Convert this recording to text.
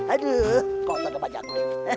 aduh kotor nama jakno